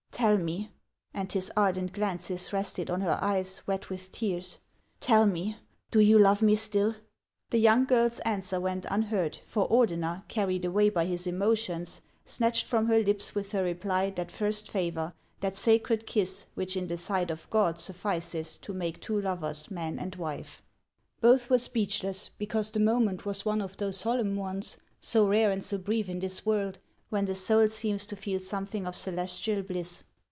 Tell me," — and his ardent glances rested on her eyes wet with teai's, —" tell me, do you love me still ?" The young girl's answer went unheard, for Ordener, car ried away by his emotions, snatched from her lips with her reply that first favor, that sacred kiss, which in the sight of God suffices to make two lovers man and wife. HANS OF ICELAND. 57 Both were speechless, because the moment was one of those solemn ones, so rare and so brief in this world, when the soul seems to feel something of celestial bliss.